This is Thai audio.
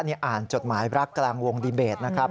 อ่านจดหมายรักกลางวงดีเบตนะครับ